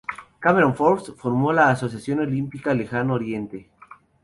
Cameron Forbes formó la "Asociación Olímpica Lejano Oriente".